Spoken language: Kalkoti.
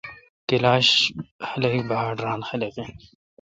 کلاش خلق باڑ ران خلق این۔